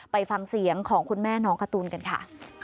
ไปฟังเสียงของคุณแม่น้องการ์ตูนกันค่ะ